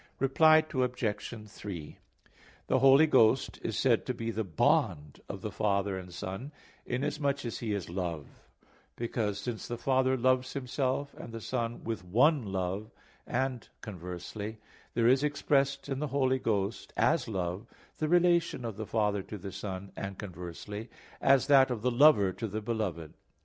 Reply Obj. 3: The Holy Ghost is said to be the bond of the Father and Son, inasmuch as He is Love; because, since the Father loves Himself and the Son with one Love, and conversely, there is expressed in the Holy Ghost, as Love, the relation of the Father to the Son, and conversely, as that of the lover to the beloved.